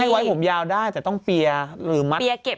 ไว้ผมยาวได้แต่ต้องเปียร์หรือมัด